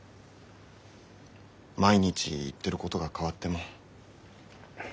毎日言ってることが変わっても。